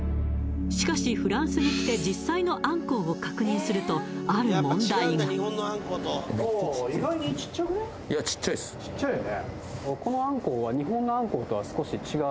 しかしフランスに来て実際のアンコウを確認するとある問題が小さいよね